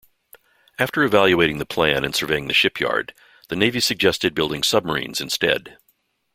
After evaluating the plan and surveying the shipyard, the Navy suggested building submarines instead.